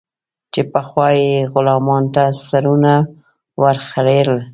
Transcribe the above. چې پخوا به یې غلامانو ته سرونه ور خرئېل.